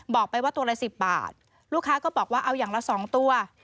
บอกไปว่าตัวละ๑๐บาทลูกค้าก็บอกว่าเอาอย่างละ๒ตัว